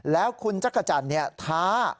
แล้วคุณจักรจันทร์ท้า